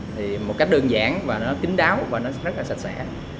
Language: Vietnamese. thì một cách đơn giản và nó chính đáo và nó rất là sạch sẽ